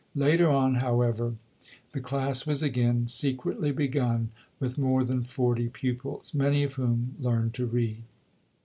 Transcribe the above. Later on, however, the class was again secretly begun with more than forty pupils, many of whom learned to read.